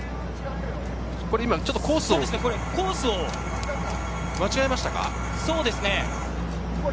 ちょっとコースを間違えましたか？